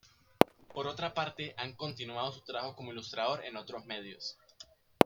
Por otra parte, ha continuado su trabajo como ilustrador en otros medios.